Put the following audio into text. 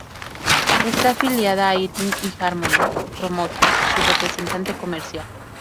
Está afiliada a Irving y Harmony Promotion, su representante comercial.